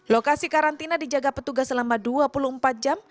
lokasi karantina dijaga petugas selama dua puluh empat jam